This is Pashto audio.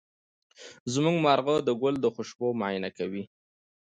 زمونږ مرغه د ګل د خوشبو معاینه کوي.